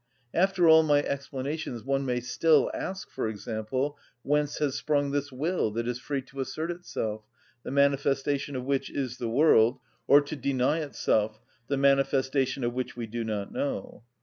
After all my explanations one may still ask, for example, whence has sprung this will that is free to assert itself, the manifestation of which is the world, or to deny itself, the manifestation of which we do not know.